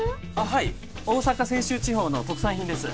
はい大阪泉州地方の特産品です